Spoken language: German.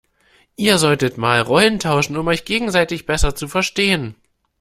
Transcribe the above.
Ihr solltet mal Rollen tauschen, um euch gegenseitig besser zu verstehen.